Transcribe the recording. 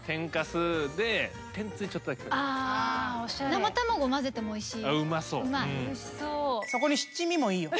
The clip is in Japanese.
生卵混ぜてもおいしいよ。